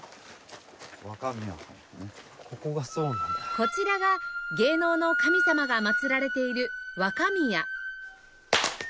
こちらが芸能の神様が祀られている若宮